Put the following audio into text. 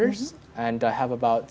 dan saya memiliki